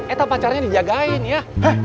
etap pacarnya dijagain ya